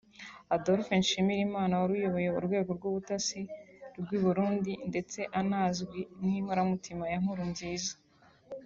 Adolphe Nshimirimana wari uyoboye urwego rw’ubutasi rw’u Burundi ndetse anazwi nk’inkoramutima ya Nkurunziza